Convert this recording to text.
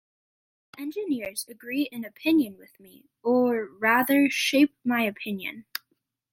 The engineers agree in opinion with me, or, rather, shape my opinion.